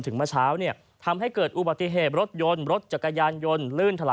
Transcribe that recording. เมื่อเช้าเนี่ยทำให้เกิดอุบัติเหตุรถยนต์รถจักรยานยนต์ลื่นถลาย